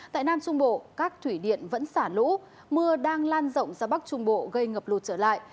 tại nam trung bộ các thủy điện vẫn xả lũ mưa đang lan rộng ra bắc trung bộ gây ngập lụt trở lại